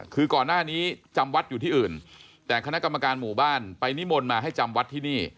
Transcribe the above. คือก่อนหน้านี้จำวัดอยู่ที่อื่นแต่คณะกรรมการหมู่บ้านไปนิมนต์มาให้จำวัดที่นี่